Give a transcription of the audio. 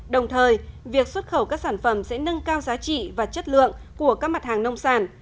đồng thời việc xuất khẩu các sản phẩm sẽ nâng cao giá trị và chất lượng của các mặt hàng nông sản